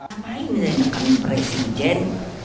apa yang bisa diperlukan presiden